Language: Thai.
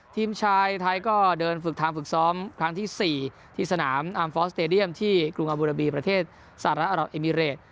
ทีมชายไทยก็เดินฝึกทำฝึกซ้อมครั้งที่๔ที่สนามอามฟอสเตดียมที่กรุงอาบูราบีประเทศสหรัฐอารับเอมิเรต